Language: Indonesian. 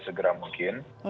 ya segera mungkin